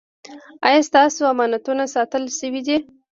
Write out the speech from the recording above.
ایا ستاسو امانتونه ساتل شوي دي؟